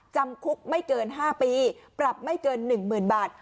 จำคุกไม่เกิน๕ปีปรับไม่เกิน๑๐๐๐บาท